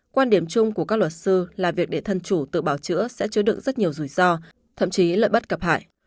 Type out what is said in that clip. quan điểm chung của các luật sư là việc để thân chủ tự bảo chữa sẽ chứa đựng rất nhiều rủi ro thậm chí lợi bất cập hại